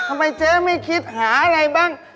ทำไมเจ๊ไม่คิดหาอะไรบ้าง